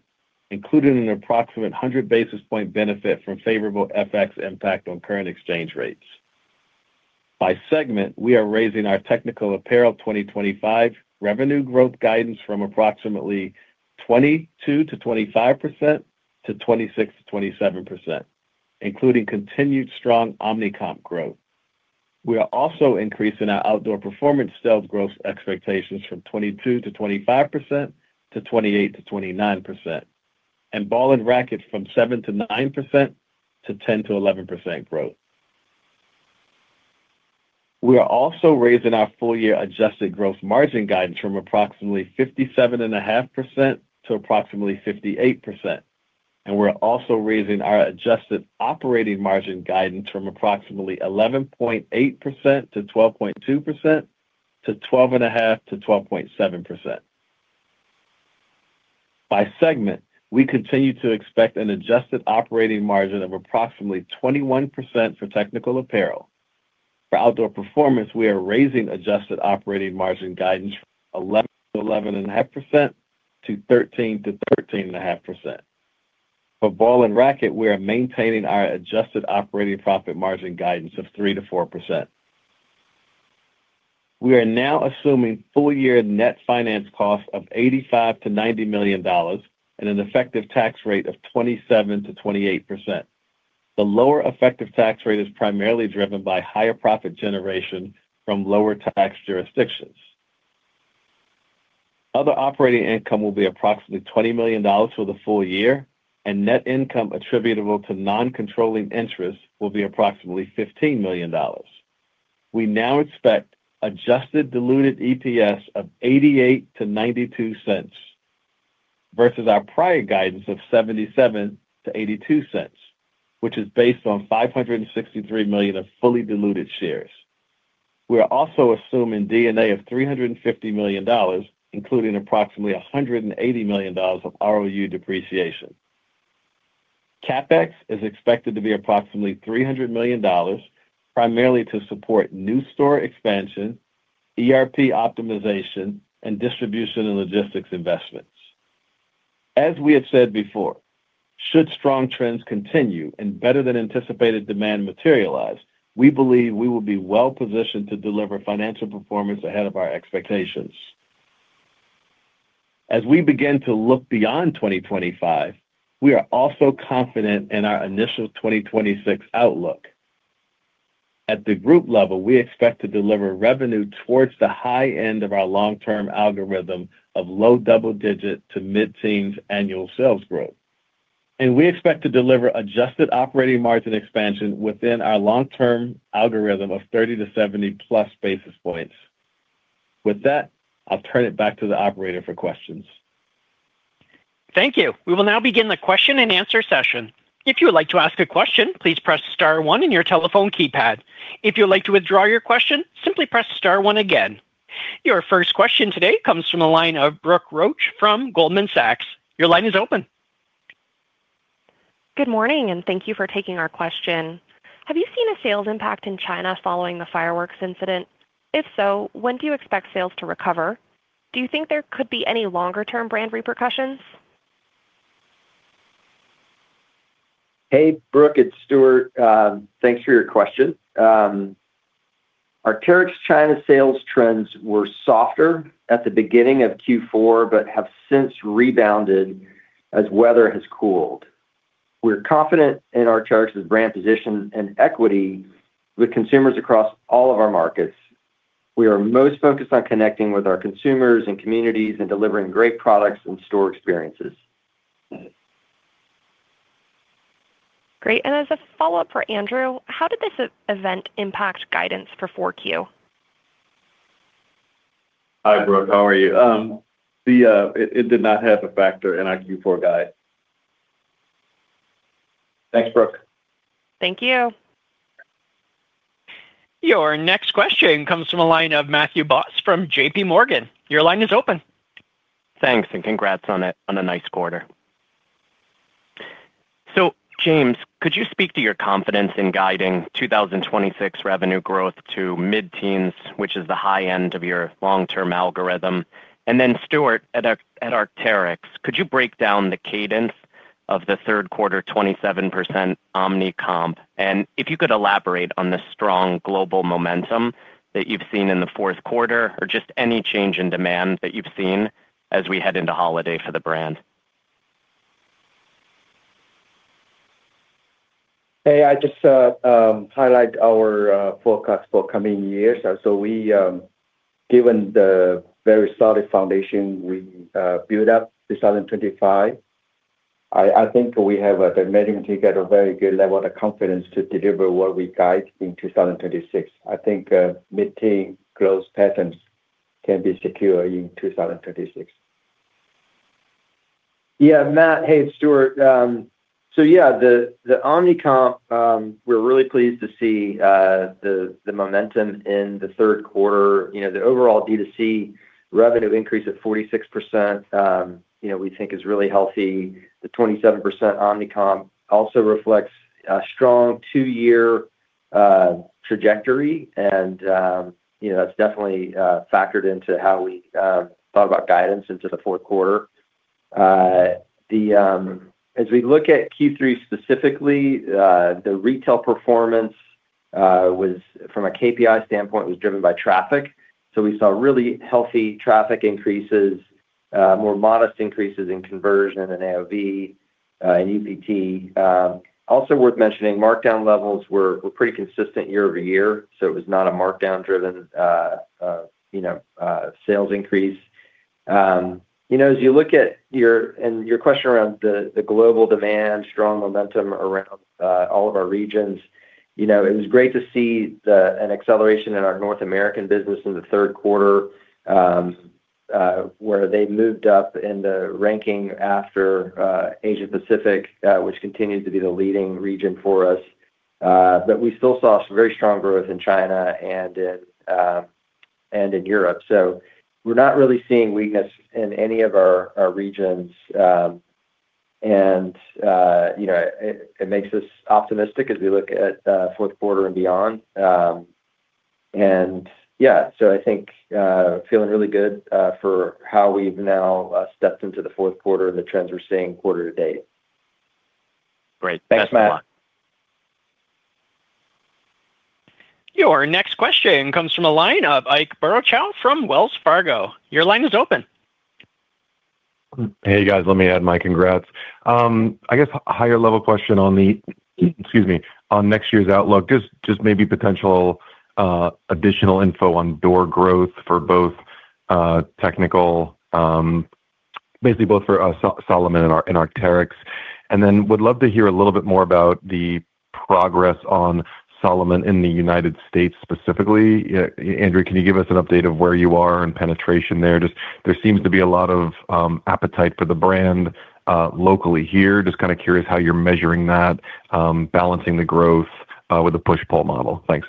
including an approximate 100 basis point benefit from favorable FX impact on current exchange rates. By segment, we are raising our technical apparel 2025 revenue growth guidance from approximately 22-25% to 26-27%, including continued strong omni-comp growth. We are also increasing our outdoor performance sales growth expectations from 22-25% to 28-29%, and ball and racket from 7-9% to 10-11% growth. We are also raising our full year adjusted gross margin guidance from approximately 57.5% to approximately 58%. We're also raising our adjusted operating margin guidance from approximately 11.8% to 12.2% to 12.5% to 12.7%. By segment, we continue to expect an adjusted operating margin of approximately 21% for technical apparel. For outdoor performance, we are raising adjusted operating margin guidance from 11-11.5% to 13-13.5%. For ball and racket, we are maintaining our adjusted operating profit margin guidance of 3-4%. We are now assuming full year net finance costs of $85-$90 million and an effective tax rate of 27-28%. The lower effective tax rate is primarily driven by higher profit generation from lower tax jurisdictions. Other operating income will be approximately $20 million for the full year, and net income attributable to non-controlling interest will be approximately $15 million. We now expect Adjusted diluted EPS of $0.88-$0.92 versus our prior guidance of $0.77-$0.82, which is based on 563 million of fully diluted shares. We are also assuming D&A of $350 million, including approximately $180 million of ROU depreciation. CapEx is expected to be approximately $300 million, primarily to support new store expansion, ERP optimization, and distribution and logistics investments. As we have said before, should strong trends continue and better than anticipated demand materialize, we believe we will be well-positioned to deliver financial performance ahead of our expectations. As we begin to look beyond 2025, we are also confident in our initial 2026 outlook. At the group level, we expect to deliver revenue towards the high end of our long-term algorithm of low double-digit to mid-teens annual sales growth. We expect to deliver adjusted operating margin expansion within our long-term algorithm of 30-70+ basis points. With that, I'll turn it back to the operator for questions. Thank you. We will now begin the question and answer session. If you would like to ask a question, please press star one on your telephone keypad. If you'd like to withdraw your question, simply press star one again. Your first question today comes from the line of Brooke Roach from Goldman Sachs. Your line is open. Good morning, and thank you for taking our question. Have you seen a sales impact in China following the fireworks incident? If so, when do you expect sales to recover? Do you think there could be any longer-term brand repercussions? Hey, Brooke, it's Stuart. Thanks for your question. Arc'teryx China's sales trends were softer at the beginning of Q4 but have since rebounded as weather has cooled. We're confident in our Arc'teryx's brand position and equity with consumers across all of our markets. We are most focused on connecting with our consumers and communities and delivering great products and store experiences. Great. As a follow-up for Andrew, how did this event impact guidance for Q4? Hi, Brooke. How are you? It did not have a factor in our Q4 guide. Thanks, Brooke. Thank you. Your next question comes from a line of Matthew Boss from JPMorgan. Your line is open. Thanks, and congrats on a nice quarter. James, could you speak to your confidence in guiding 2026 revenue growth to mid-teens, which is the high end of your long-term algorithm? Stuart, at Arc'teryx, could you break down the cadence of the third quarter 27% omni-comp? If you could elaborate on the strong global momentum that you've seen in the fourth quarter or just any change in demand that you've seen as we head into holiday for the brand? Hey, I just highlight our forecast for coming years. Given the very solid foundation we built up in 2025, I think we have managed to get a very good level of confidence to deliver what we guide in 2026. I think mid-teens growth patterns can be secure in 2026. Yeah, Matt. It's, Stuart. The omni-comp, we're really pleased to see the momentum in the third quarter. The overall D2C revenue increase of 46% we think is really healthy. The 27% omni-comp also reflects a strong two-year trajectory, and that's definitely factored into how we thought about guidance into the fourth quarter. As we look at Q3 specifically, the retail performance from a KPI standpoint was driven by traffic. So we saw really healthy traffic increases, more modest increases in conversion and AOV and UPT. Also worth mentioning, markdown levels were pretty consistent year-over-year, so it was not a markdown-driven sales increase. As you look at your question around the global demand, strong momentum around all of our regions, it was great to see an acceleration in our North American business in the third quarter where they moved up in the ranking after Asia-Pacific, which continues to be the leading region for us. We still saw very strong growth in China and in Europe. We are not really seeing weakness in any of our regions. It makes us optimistic as we look at fourth quarter and beyond. Yeah, I think feeling really good for how we've now stepped into the fourth quarter and the trends we're seeing quarter to date. Great. Thanks, Matt. Thanks a lot. Your next question comes from a line of Ike Boruchow from Wells Fargo. Your line is open. Hey, guys. Let me add my congrats. I guess a higher-level question on the—excuse me—on next year's outlook, just maybe potential additional info on door growth for both technical, basically both for Salomon and Arc'teryx. I would love to hear a little bit more about the progress on Salomon in the United States specifically. Andrew, can you give us an update of where you are in penetration there? There seems to be a lot of appetite for the brand locally here. Just kind of curious how you're measuring that, balancing the growth with the push-pull model. Thanks.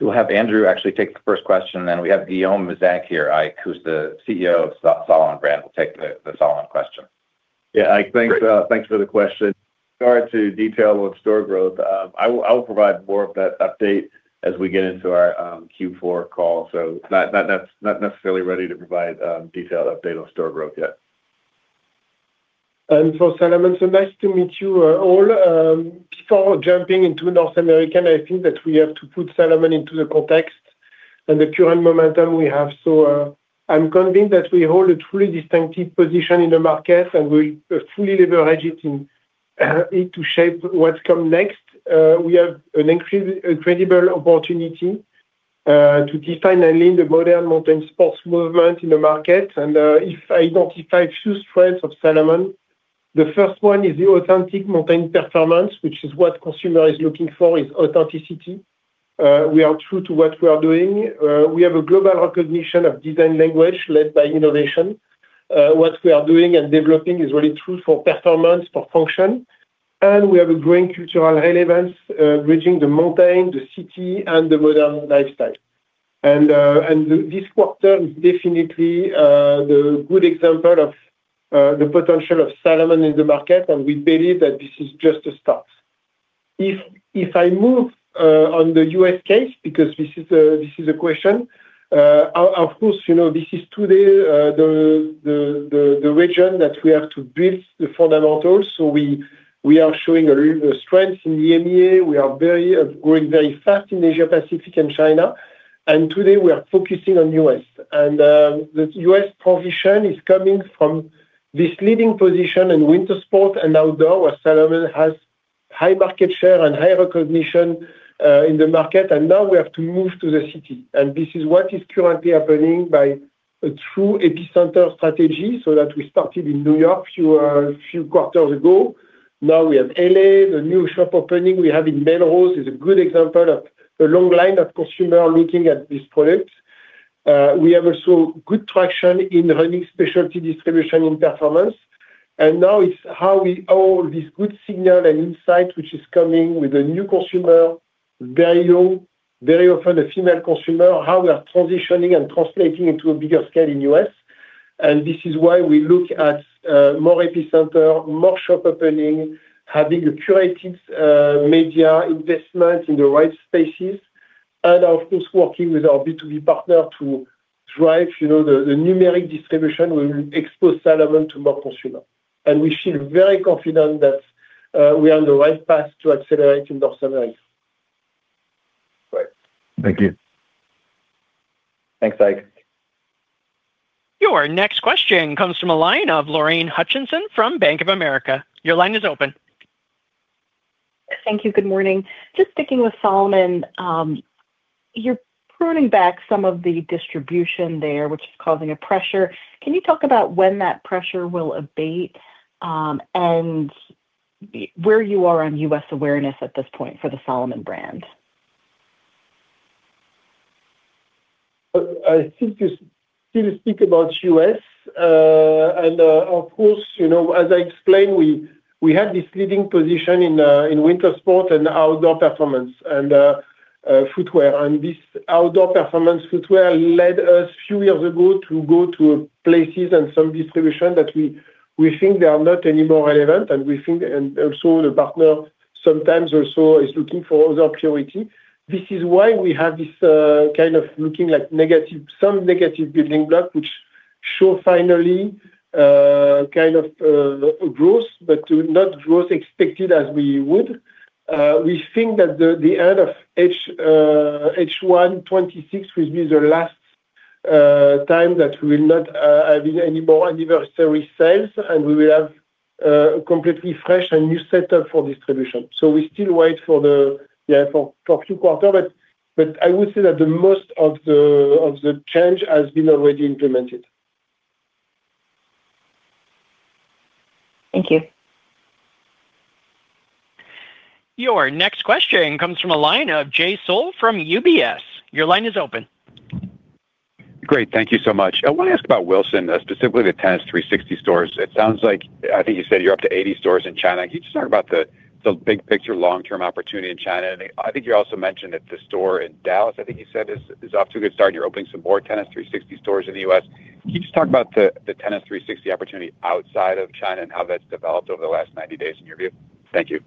We'll have Andrew actually take the first question, and then we have Guillaume Meyzenq here, who's the CEO of Salomon brand, will take the Salomon question. Yeah, thanks for the question. Sorry to detail on store growth. I will provide more of that update as we get into our Q4 call. Not necessarily ready to provide detailed update on store growth yet. For Salomon, nice to meet you all. Before jumping into North America, I think that we have to put Salomon into the context and the current momentum we have. I'm convinced that we hold a truly distinctive position in the market, and we'll fully leverage it to shape what's come next. We have an incredible opportunity to define and lead the modern mountain sports movement in the market. If I identify a few strengths of Salomon, the first one is the authentic mountain performance, which is what consumers are looking for: authenticity. We are true to what we are doing. We have a global recognition of design language led by innovation. What we are doing and developing is really true for performance, for function. We have a growing cultural relevance, bridging the mountain, the city, and the modern lifestyle. This quarter is definitely the good example of the potential of Salomon in the market, and we believe that this is just a start. If I move on the U.S. case, because this is a question, of course, this is today the region that we have to build the fundamentals. We are showing strength in the EMEA. We are growing very fast in Asia-Pacific and China. Today, we are focusing on the U.S. The U.S. position is coming from this leading position in winter sports and outdoor, where Salomon has high market share and high recognition in the market. Now we have to move to the city. This is what is currently happening by a true epicenter strategy so that we started in New York a few quarters ago. Now we have LA, the new shop opening we have in Melrose is a good example of a long line of consumers looking at this product. We have also good traction in running specialty distribution in performance. Now it's how we hold this good signal and insight, which is coming with a new consumer, very young, very often a female consumer, how we are transitioning and translating into a bigger scale in the U.S. This is why we look at more epicenter, more shop opening, having a curated media investment in the right spaces, and of course, working with our B2B partner to drive the numeric distribution. We will expose Salomon to more consumers. We feel very confident that we are on the right path to accelerate in North America. Great. Thank you. Thanks, Ike. Your next question comes from a line of Lorraine Hutchinson from Bank of America. Your line is open. Thank you. Good morning. Just sticking with Salomon, you're pruning back some of the distribution there, which is causing a pressure. Can you talk about when that pressure will abate and where you are on U.S. awareness at this point for the Salomon brand? I think you still speak about U.S. As I explained, we had this leading position in winter sports and outdoor performance and footwear. This outdoor performance footwear led us a few years ago to go to places and some distribution that we think are not anymore relevant. We think, and also the partner sometimes is looking for other priority. This is why we have this kind of looking like some negative building blocks, which show finally kind of growth, but not growth expected as we would. We think that the end of H1 2026 will be the last time that we will not have any more anniversary sales, and we will have a completely fresh and new setup for distribution. We still wait for the few quarters, but I would say that most of the change has been already implemented. Thank you. Your next question comes from a line of Jay Sole from UBS. Your line is open. Great. Thank you so much. I want to ask about Wilson, specifically the Tennis 360 stores. It sounds like, I think you said you're up to 80 stores in China. Can you just talk about the big picture long-term opportunity in China? I think you also mentioned that the store in Dallas, I think you said, is off to a good start. You're opening some more Tennis 360 stores in the US. Can you just talk about the Tennis 360 opportunity outside of China and how that's developed over the last 90 days in your view? Thank you.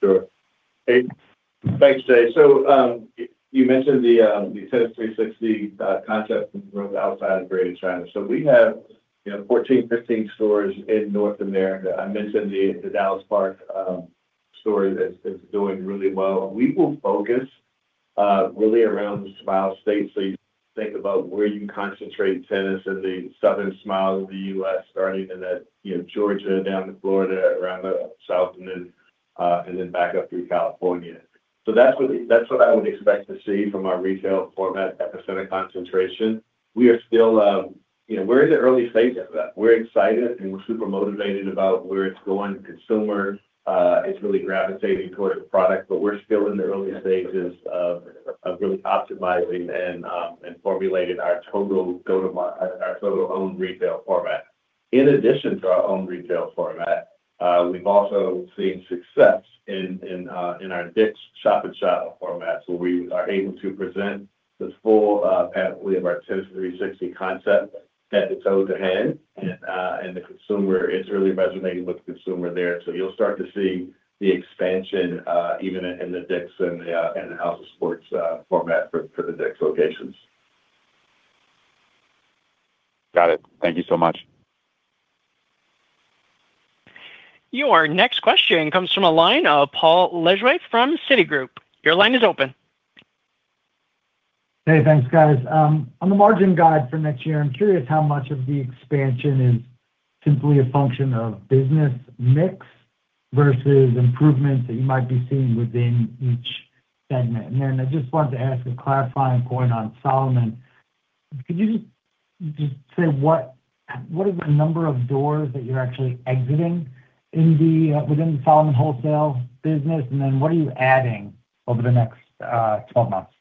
Sure. Hey. Thanks, Jay. You mentioned the Tennis 360 concept growth outside of Greater China. We have 14, 15 stores in North America. I mentioned the Dallas Park store is doing really well. We will focus really around the Smile States. You think about where you concentrate tennis in the southern Smile of the U.S., starting in Georgia, down to Florida, around the south, and then back up through California. That is what I would expect to see from our retail format at the center concentration. We are still in the early stages of that. We are excited, and we are super motivated about where it is going. Consumer is really gravitating towards the product, but we are still in the early stages of really optimizing and formulating our total owned retail format. In addition to our owned retail format, we've also seen success in our DICK's Shop & Show formats where we are able to present the full pathway of our Tennis 360 concept at the toe to hand, and the consumer is really resonating with the consumer there. You'll start to see the expansion even in the DICK's and the House of Sports format for the DICK's locations. Got it. Thank you so much. Your next question comes from a line of Paul Lejuez from Citi. Your line is open. Hey, thanks, guys. On the margin guide for next year, I'm curious how much of the expansion is simply a function of business mix versus improvements that you might be seeing within each segment. I just wanted to ask a clarifying point on Salomon. Could you just say what is the number of doors that you're actually exiting within the Salomon wholesale business? And then what are you adding over the next 12 months?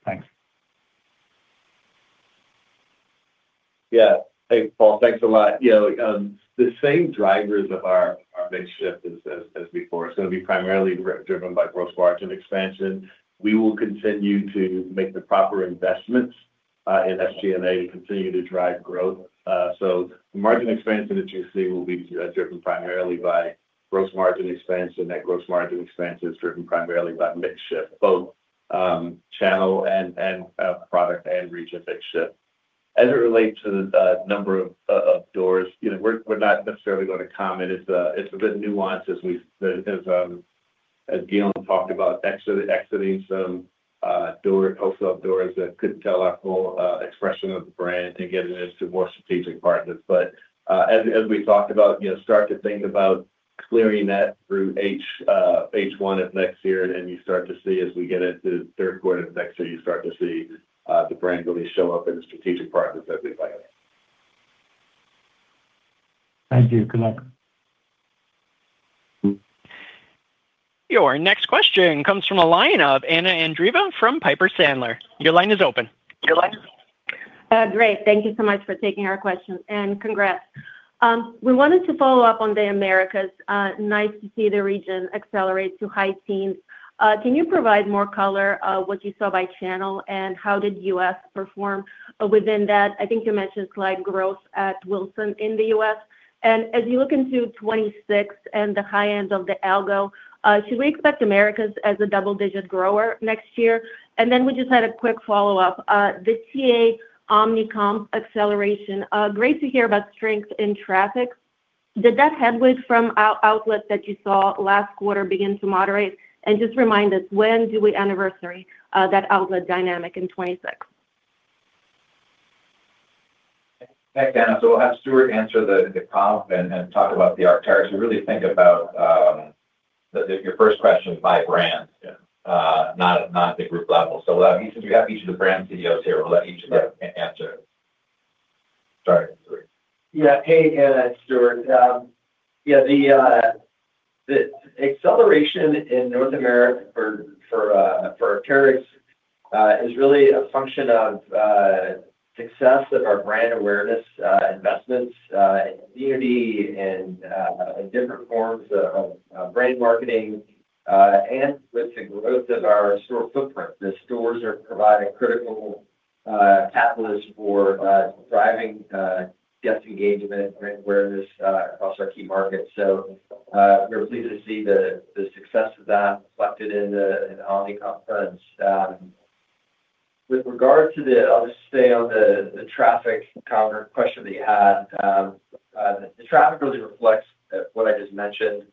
Thanks. Yeah. Hey, Paul, thanks a lot. The same drivers of our mix shift as before. It's going to be primarily driven by gross margin expansion. We will continue to make the proper investments in SG&A to continue to drive growth. The margin expansion that you see will be driven primarily by gross margin expansion, and that gross margin expansion is driven primarily by mix shift, both channel and product and region mix shift. As it relates to the number of doors, we're not necessarily going to comment. It's a bit nuanced as Guillaume talked about exiting some wholesale doors that could tell our full expression of the brand and getting into more strategic partners. As we talked about, start to think about clearing that through H1 of next year, and then you start to see as we get into the third quarter of next year, you start to see the brand really show up in the strategic partners that we've hired. Thank you. Good luck. Your next question comes from a line of Anna Andreeva from Piper Sandler. Your line is open. Great. Thank you so much for taking our questions, and congrats. We wanted to follow up on the Americas. Nice to see the region accelerate to high teens. Can you provide more color of what you saw by channel, and how did U.S. perform within that? I think you mentioned slight growth at Wilson in the US. As you look into 2026 and the high end of the algo, should we expect Americas as a double-digit grower next year? We just had a quick follow-up. The TA omni-comp acceleration, great to hear about strength in traffic. Did that headwind from outlets that you saw last quarter begin to moderate? Just remind us, when do we anniversary that outlet dynamic in 2026? Thanks, Anna. We will have Stuart answer the comp and talk about the Arc'teryx. We really think about your first question by brand, not at the group level. Since we have each of the brand CEOs here, we will let each of them answer. Sorry. Yeah. Hey Anna, Stuart. Yeah, the acceleration in North America for Arc'teryx is really a function of success of our brand awareness investments, community, and different forms of brand marketing, and with the growth of our store footprint, the stores are providing critical catalysts for driving guest engagement, brand awareness across our key markets. We are pleased to see the success of that reflected in the omni-comp funds. With regard to the, I'll just stay on the traffic counter question that you had. The traffic really reflects what I just mentioned.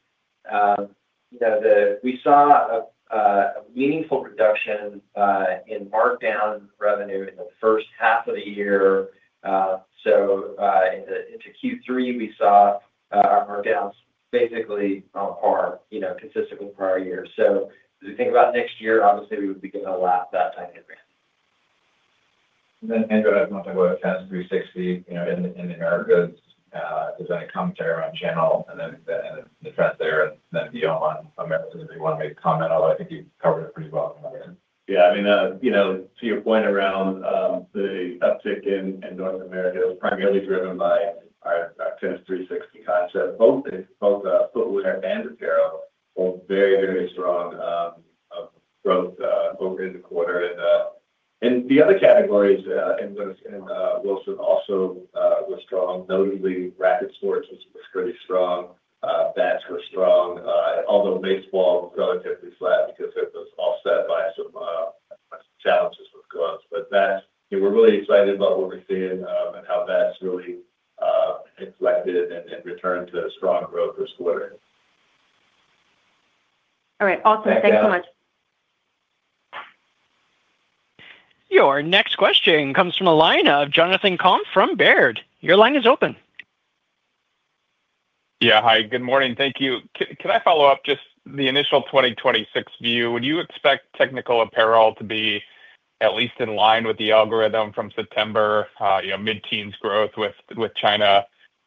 We saw a meaningful reduction in markdown revenue in the first half of the year. Into Q3, we saw our markdowns basically on par, consistent with prior years. As we think about next year, obviously, we would begin to lap that dynamic. Andrew has one thing about Tennis 360 in America. Is that a commentary on channel and then the trend there? And then Guillaume on American, if you want to make a comment, although I think you've covered it pretty well. Yeah. I mean, to your point around the uptick in North America, it was primarily driven by our Tennis 360 concept. Both footwear and apparel were very, very strong growth over the quarter. The other categories in Wilson also were strong, notably racket sports, which was pretty strong. Bats were strong, although baseball was relatively flat because it was offset by some challenges with gloves. We are really excited about what we are seeing and how that is really reflected and returned to strong growth this quarter. All right. Awesome. Thanks so much. Your next question comes from a line of Jonathan Komp from Baird. Your line is open. Yeah. Hi. Good morning. Thank you. Can I follow up just the initial 2026 view? Would you expect technical apparel to be at least in line with the algorithm from September, mid-teens growth with China,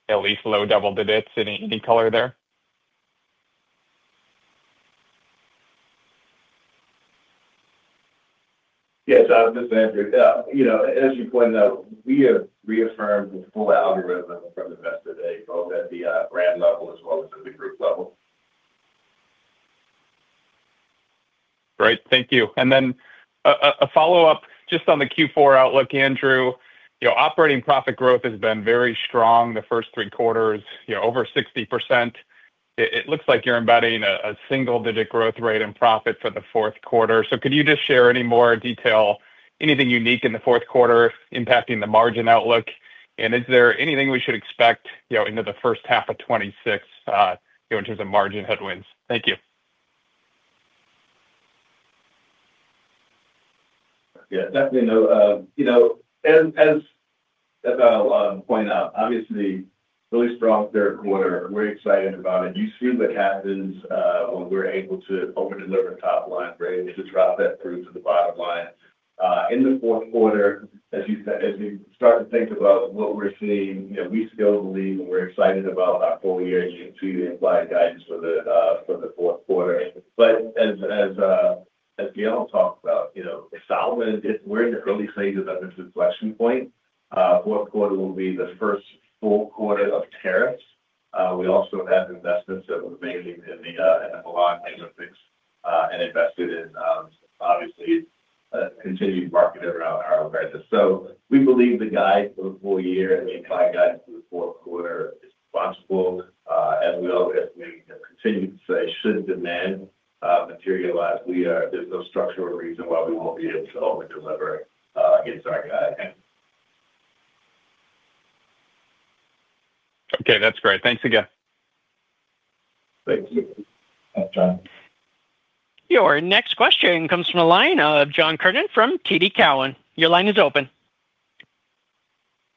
at least low double digits? Any color there? Yes. This is Andrew. As you pointed out, we have reaffirmed the full algorithm from the best of days, both at the brand level as well as at the group level. Great. Thank you. Then a follow-up just on the Q4 outlook, Andrew. Operating profit growth has been very strong the first three quarters, over 60%. It looks like you're embedding a single-digit growth rate in profit for the fourth quarter. Could you just share any more detail, anything unique in the fourth quarter impacting the margin outlook? Is there anything we should expect into the first half of 2026 in terms of margin headwinds? Thank you. Yeah. Definitely. As I'll point out, obviously, really strong third quarter. We're excited about it. You see what happens when we're able to overdeliver top line, right? To drop that through to the bottom line. In the fourth quarter, as you start to think about what we're seeing, we still believe and we're excited about our full year and see the implied guidance for the fourth quarter. As Guillaume talked about, Salomon, we're in the early stages of inflection point. Fourth quarter will be the first full quarter of tariffs. We also have investments that were made in the Milan Olympics and invested in, obviously, continued market around our awareness. We believe the guide for the full year and the implied guide for the fourth quarter is possible. As we continue to say, should demand materialize, there's no structural reason why we won't be able to overdeliver against our guide. Okay. That's great. Thanks again. Your next question comes from a line of John Kernan from TD Cowen. Your line is open.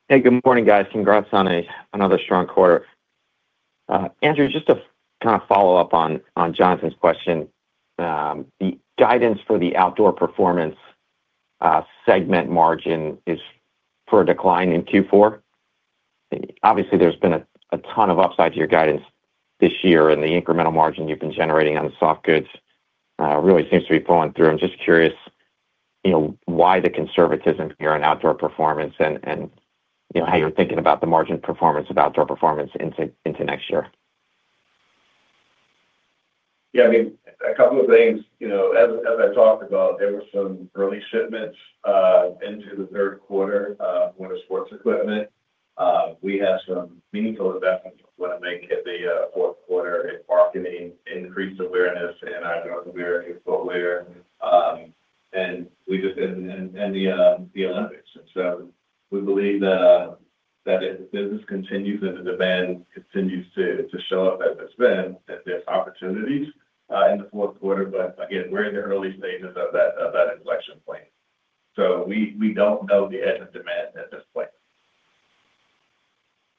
Hey, good morning, guys. Congrats on another strong quarter. Andrew, just to kind of follow up on Jonathan's question, the guidance for the outdoor performance segment margin is for a decline in Q4. Obviously, there's been a ton of upside to your guidance this year, and the incremental margin you've been generating on the soft goods really seems to be pulling through. I'm just curious why the conservatism here on outdoor performance and how you're thinking about the margin performance of outdoor performance into next year. Yeah. I mean, a couple of things. As I talked about, there were some early shipments into the third quarter for the sports equipment. We had some meaningful investments we want to make in the fourth quarter in marketing, increased awareness in our outdoor gear, footwear, and the Olympics. We believe that if the business continues and the demand continues to show up as it's been, that there's opportunities in the fourth quarter. Again, we're in the early stages of that inflection point. We don't know the end of demand at this point.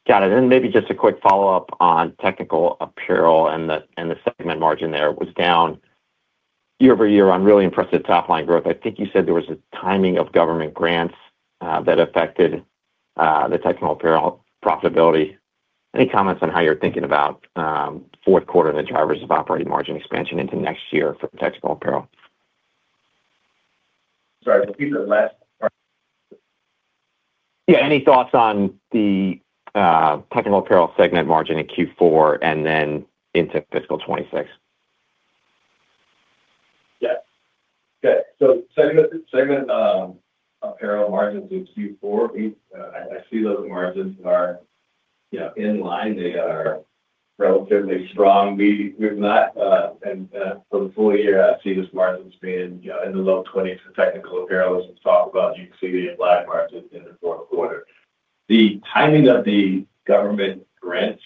Got it. Maybe just a quick follow-up on technical apparel and the segment margin there was down year-over-year. I'm really impressed with top-line growth. I think you said there was a timing of government grants that affected the technical apparel profitability. Any comments on how you're thinking about fourth quarter and the drivers of operating margin expansion into next year for technical apparel? Sorry. Repeat the last part. Yeah. Any thoughts on the technical apparel segment margin in Q4 and then into fiscal 2026? Yes. Okay. So segment apparel margins in Q4, I see those margins are in line. They are relatively strong. And for the full year, I see those margins being in the low 20% for technical apparel. As we talk about, you can see the implied margin in the fourth quarter. The timing of the government grants,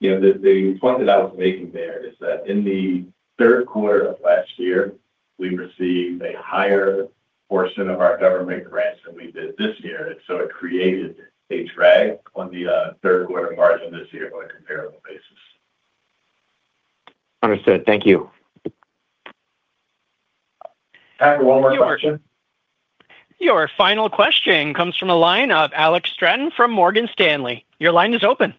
the point that I was making there is that in the third quarter of last year, we received a higher portion of our government grants than we did this year. And so it created a drag on the third quarter margin this year on a comparable basis. Understood. Thank you. Have one more question. Your final question comes from a line of Alex Straton from Morgan Stanley. Your line is open.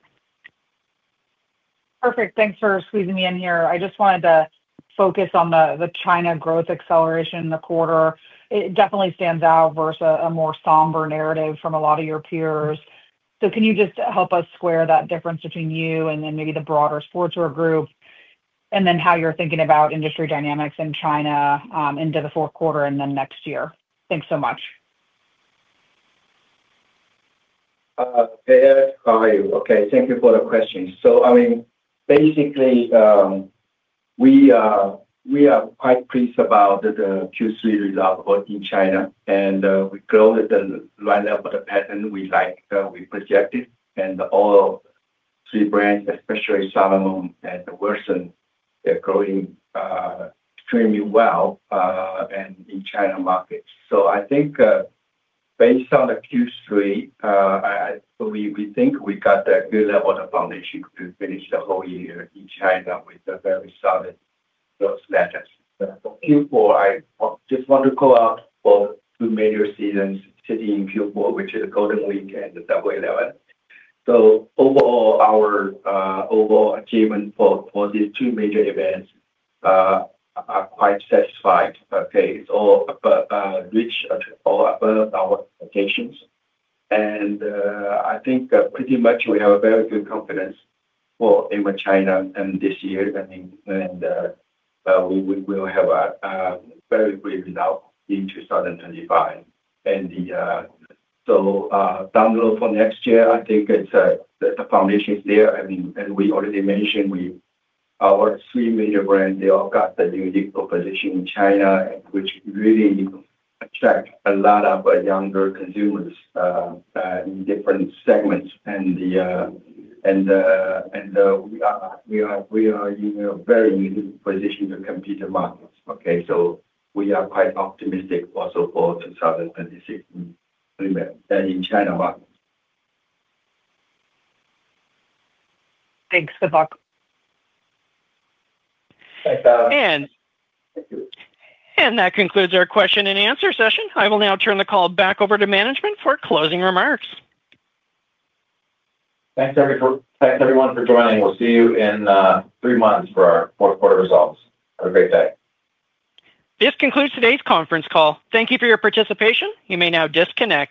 Perfect. Thanks for squeezing me in here. I just wanted to focus on the China growth acceleration in the quarter. It definitely stands out versus a more somber narrative from a lot of your peers. Can you just help us square that difference between you and then maybe the broader sportswear group, and then how you're thinking about industry dynamics in China into the fourth quarter and then next year? Thanks so much. Hey, Alex. How are you? Okay. Thank you for the question. I mean, basically, we are quite pleased about the Q3 result in China. We grow the lineup of the pattern we like. We projected. All three brands, especially Salomon and Wilson, they're growing extremely well in China markets. I think based on the Q3, we think we got a good level of foundation to finish the whole year in China with a very solid growth status. For Q4, I just want to call out for two major seasons sitting in Q4, which is Golden Week and the W-11. Overall, our overall achievement for these two major events are quite satisfied. It is all rich or above our expectations. I think pretty much we have a very good confidence for China this year. We will have a very good result in 2025. Down the road for next year, I think the foundation is there. We already mentioned our three major brands, they all got the unique position in China, which really attracts a lot of younger consumers in different segments. We are in a very unique position to compete in markets. We are quite optimistic also for 2026 in China markets. Thanks. Good luck. Thanks, Adam. That concludes our question and answer session. I will now turn the call back over to management for closing remarks. Thanks, everyone, for joining. We'll see you in three months for our fourth quarter results. Have a great day. This concludes today's conference call. Thank you for your participation. You may now disconnect.